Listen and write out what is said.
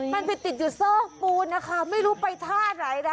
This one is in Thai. มันติดอยู่โซ่กปูนนะคะไม่รู้ไปท่าอะไรนะ